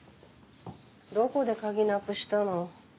どこで鍵なくしたの？